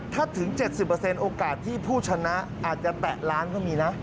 ถ้าถึง๗๐โอกาสที่ผู้ชนะอาจจะแตะล้านก็มีนะ